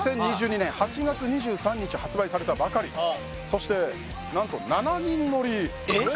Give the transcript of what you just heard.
２０２２年８月２３日発売されたばかりそして何と７人乗りえっ！？